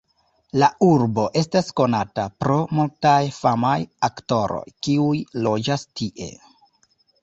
La urbo estas konata pro multaj famaj aktoroj, kiuj loĝas tie.